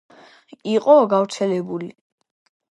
იყო გავრცელებული?